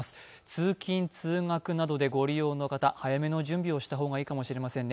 通勤通学などでご利用の方、早めの準備をした方がいいかもしれません